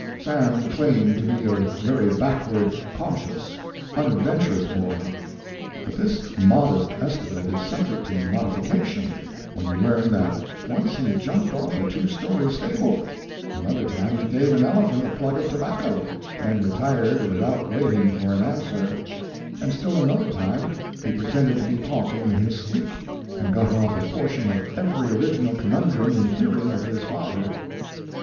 Sam claimed to be a very backward, cautious, unadventurous boy. But this modest estimate is subject to modification when we learn that once he jumped off a two story stable; another time he gave an elephant a plug of tobacco, and retired without waiting for an answer; and still another time he pretended to be talking in his sleep, and got off a portion of every original conundrum in hearing of his father.